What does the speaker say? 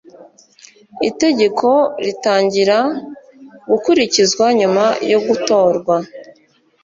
itegeko ritangira gukurikizwa nyuma yogutorwa.